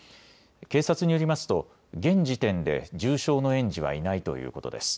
警察によりますと現時点で重傷の園児はいないということです。